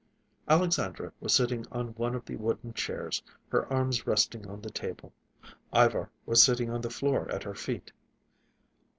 Alexandra was sitting on one of the wooden chairs, her arms resting on the table. Ivar was sitting on the floor at her feet.